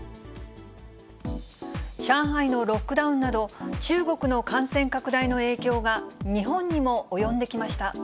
上海のロックダウンなど、中国の感染拡大の影響が日本にも及んできました。